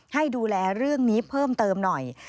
ให้ดูแลเรื่องนี้เพิ่มเติมหน่อย